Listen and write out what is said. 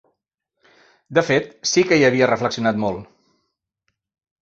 De fet, sí que hi havia reflexionat molt.